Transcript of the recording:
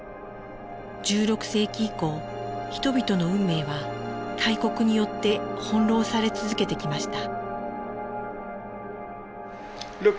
１６世紀以降人々の運命は大国によって翻弄され続けてきました。